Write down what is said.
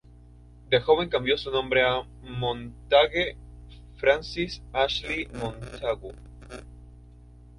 De joven cambió su nombre a "Montague Francis Ashley Montagu".